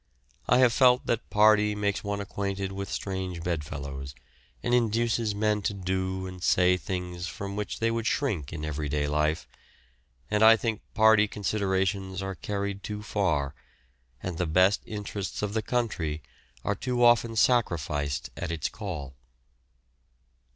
I have felt that "Party" makes one acquainted with strange bedfellows, and induces men to do and say things from which they would shrink in everyday life; and I think "party" considerations are carried too far, and the best interests of the country are too often sacrificed at its call.